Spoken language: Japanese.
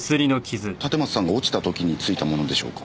立松さんが落ちた時に付いたものでしょうか？